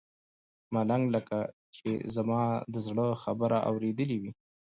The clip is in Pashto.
ملنګ لکه چې زما د زړه خبره اورېدلې وي.